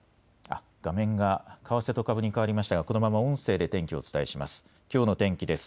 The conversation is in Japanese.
画面が為替と株に変わりましたがこのまま音声で天気をお伝えします。